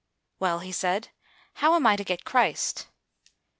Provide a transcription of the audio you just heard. "Well," he said, "how am I to get Christ?"